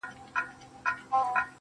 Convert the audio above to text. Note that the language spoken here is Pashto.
يو نه دی چي و تاته په سرو سترگو ژاړي~